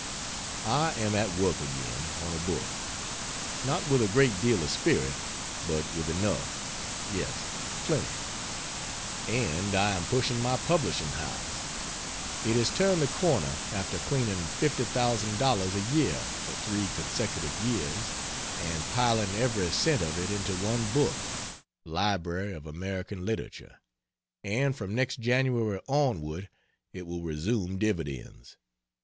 I am at work again on a book. Not with a great deal of spirit, but with enough yes, plenty. And I am pushing my publishing house. It has turned the corner after cleaning $50,000 a year for three consecutive years, and piling every cent of it into one book Library of American Literature and from next January onward it will resume dividends.